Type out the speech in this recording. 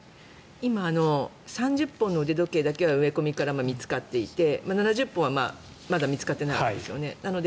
今、３０分の腕時計だけは植え込みからは見つかっていて７０本は、まだ見つかっていないわけですよね。